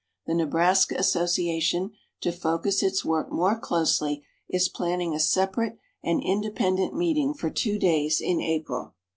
The Nebraska association, to focus its work more closely, is planning a separate and independent meeting for two days in April.